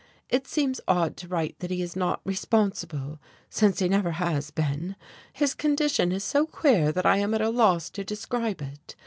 It seems odd to write that he is not responsible, since he never has been, his condition is so queer that I am at a loss to describe it.